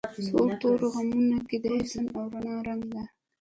سور تورو غمونو کی د حسن او رڼا رنګ